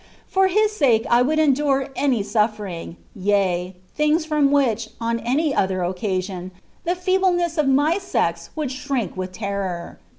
For *iu mLb 1 would endure any sutfering, yen, things from which, on any otbtr occasion, the feebleness of my sex would shrink with terror.